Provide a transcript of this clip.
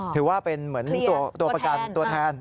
ถือว่าเป็นเหมือนตัวประกันตัวแทน